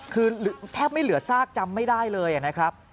คือแทบไม่เหลือซากจำไม่ได้เลยนะครับ